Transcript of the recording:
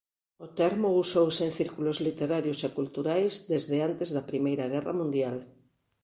O termo usouse en círculos literarios e culturais desde antes da Primeira Guerra Mundial.